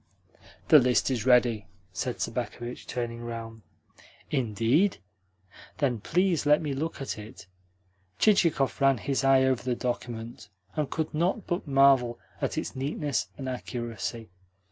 "The list is ready," said Sobakevitch, turning round. "Indeed? Then please let me look at it." Chichikov ran his eye over the document, and could not but marvel at its neatness and accuracy.